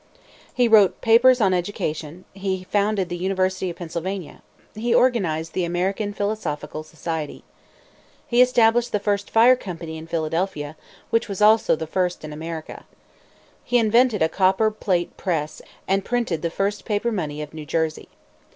He wrote papers on education. He founded the University of Pennsylvania. He organized the American Philosophical Society. He established the first fire company in Philadelphia, which was also the first in America. He invented a copper plate press, and printed the first paper money of New Jersey.